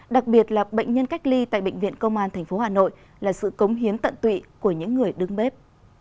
đặc biệt là bệnh nhân cách ly tại bệnh viện công an tp hà nội là sự cống hiến tận tụy của những người đứng bếp